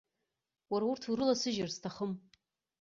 Уара урҭ урыласыжьыр сҭахым.